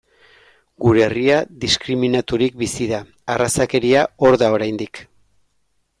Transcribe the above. Gure herria diskriminaturik bizi da, arrazakeria hor da oraindik.